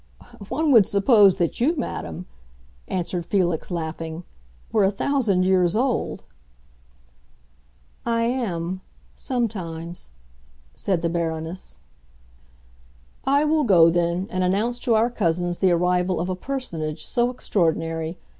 "One would suppose that you, madam," answered Felix, laughing, "were a thousand years old." "I am—sometimes," said the Baroness. "I will go, then, and announce to our cousins the arrival of a personage so extraordinary.